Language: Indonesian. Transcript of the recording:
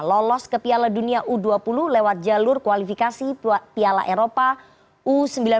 lolos ke piala dunia u dua puluh lewat jalur kualifikasi piala eropa u sembilan belas